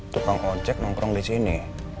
tukang ojek nongkrong di sini